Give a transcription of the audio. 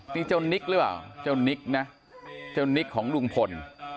นี่เจ้านิกม่ะเจ้านิกของลุงพล